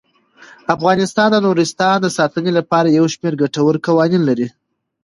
افغانستان د نورستان د ساتنې لپاره یو شمیر ګټور قوانین لري.